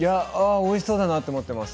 おいしそうだなと思います。